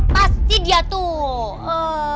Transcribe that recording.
pasti dia tuh